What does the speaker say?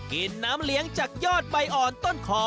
กินน้ำเลี้ยงจากยอดใบอ่อนต้นคอ